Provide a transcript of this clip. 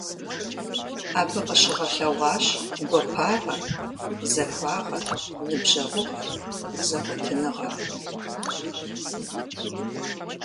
Абы къыщыгъэлъэгъуащ гуапагъэр, захуагъэр, ныбжьэгъугъэр, зэкъуэтыныгъэр.